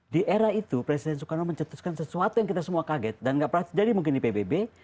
di era itu presiden soekarno mencetuskan sesuatu yang kita semua kaget dan nggak pernah jadi mungkin di pbb